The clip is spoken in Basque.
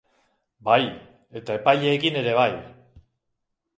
Bai, eta epaileekin ere bai.